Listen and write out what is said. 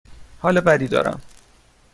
حال بدی دارم.